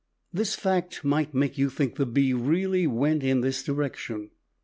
This fact might make you think the bee really went in this direction.